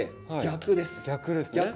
逆ですね。